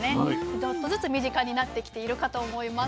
ちょっとずつ身近になってきているかと思います。